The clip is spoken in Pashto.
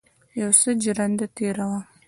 یو څه ژرنده تېره وه.